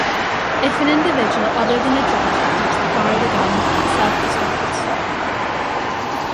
If an individual other than a judge attempts to fire the gun, it self-destructs.